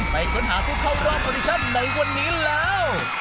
ไปเกินหาทุกเขารอบโปรดิชั่นในวันนี้แล้ว